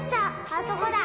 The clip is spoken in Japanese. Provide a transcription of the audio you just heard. あそこだ。